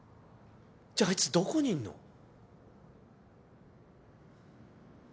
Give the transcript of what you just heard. じゃあいつどこにいんの？